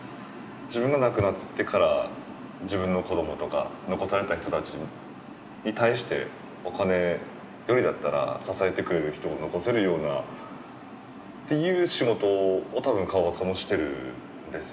自分が亡くなってから自分の子どもとか残された人たちに対してお金よりだったら支えてくれる人を残せるようなっていう仕事を多分川端さんもしているんですよね。